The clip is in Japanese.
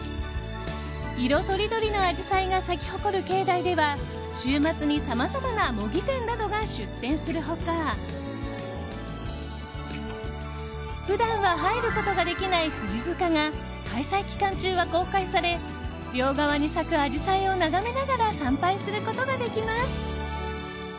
色とりどりのアジサイが咲き誇る境内では週末に、さまざまな模擬店などが出店する他普段は入ることができない富士塚が、開催期間中は公開され両側に咲くアジサイを眺めながら参拝することができます。